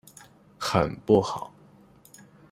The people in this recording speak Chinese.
很不好！